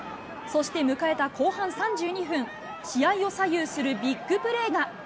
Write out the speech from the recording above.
そして迎えた後半３２分、試合を左右するビッグプレーが。